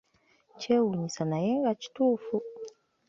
Kyewunyisa naye nga kituufu!